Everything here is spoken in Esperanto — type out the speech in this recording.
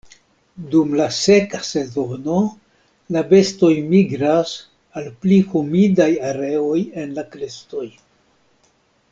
Dum la seka sezono la bestoj migras al pli humidaj areoj en la krestoj.